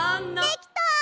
できた！